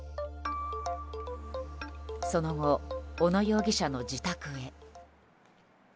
その後、小野容疑者の自宅へ。